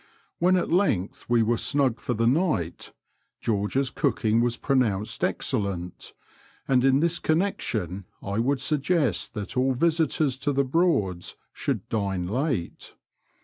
When at length we were snug for the night, George's cooking was pronounced excel lent ; and in this connection I would suggest that all visitors to the Broads should dine late.